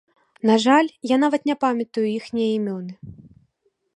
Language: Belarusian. На жаль, я нават не памятаю іхнія імёны.